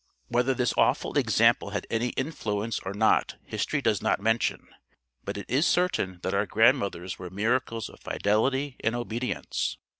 Whether this awful example had any influence or not history does not mention; but it is certain that our grandmothers were miracles of fidelity and obedience.